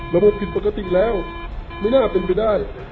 ระบบผิดปกติแล้วไม่น่าเป็นไปได้